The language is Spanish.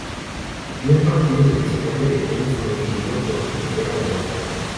El primer partido de visitante de Queens coincidió con su primera derrota.